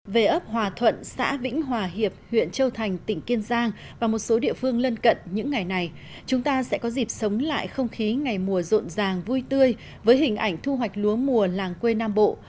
về ấp hòa thuận xã vĩnh hòa hiệp huyện châu thành tỉnh kiên giang và một số địa phương lân cận những ngày này chúng ta sẽ có dịp sống lại không khí ngày mùa rộn ràng vui tươi với hình ảnh thu hoạch lúa mùa làng quê nam bộ